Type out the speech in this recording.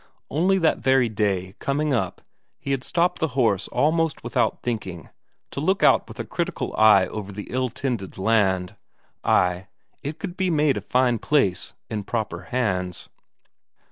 Only that very day, coming up, he had stopped the horse almost without thinking, to look out with a critical eye over the ill tended land; ay, it could be made a fine place in proper hands.